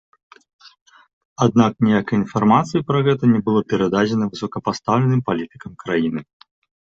Аднак ніякай інфармацыі пра гэта не было перададзена высокапастаўленым палітыкам краіны.